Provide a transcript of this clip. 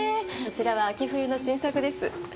そちらは秋冬の新作です。